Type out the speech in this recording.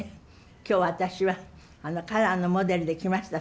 今日私はカラーのモデルで来ましたって。